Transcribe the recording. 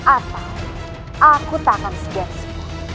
atau aku tak akan segera semua